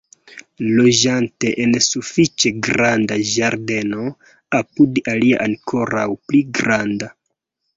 Loĝante en sufiĉe granda ĝardeno apud alia ankoraŭ pli granda.